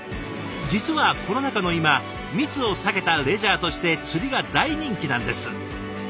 実はコロナ禍の今密を避けたレジャーとして釣りが大人気なんです。